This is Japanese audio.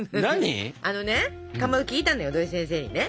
あのねかまど聞いたのよ土井先生にね。